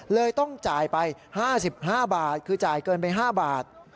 เลยต้องจ่ายไป๕๕บาทคือจ่ายเกินไป๕บาท